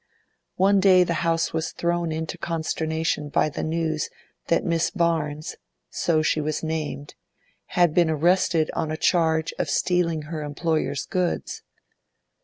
One day the house was thrown into consternation by the news that Miss Barnes—so she was named—had been arrested on a charge of stealing her employer's goods.